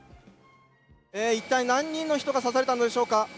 一体、何人の人が刺されたのでしょうか。